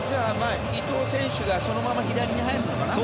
伊藤選手がそのまま左に入るのかな。